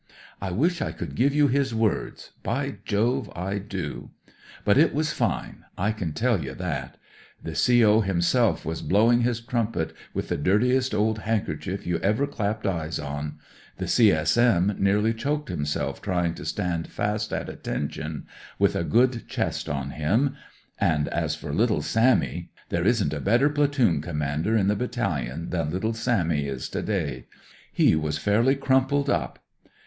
" I wish I could give you his words, by Jove I do. But it was fine ; I can tell i^ 148 NEWS FOR HOME O.C. COMPANY you that. The CO. himself was blowing his trumpet with the dirtiest old hand kerchief you ever clapped eyes on ; the C.S.M. nearly choked himself trying to stand fast at attention with a good chest on him ; and as for little Sammy — there isn*t a better platoon commander in the Battalion than little Sammy is to day — he was fairly crumpled up.